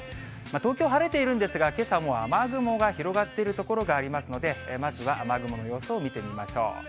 東京、晴れているんですが、けさも雨雲が広がっている所がありますので、まずは雨雲の様子を見てみましょう。